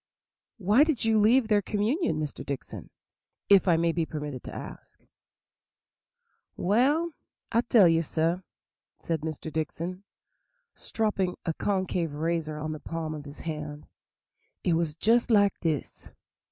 "Why did you leave their communion, Mr. Dickson, if I may be permitted to ask?" "Well, I'll tell you, sah," said Mr. Dickson, stropping a concave razor on the palm of his hand, "it was just like dis.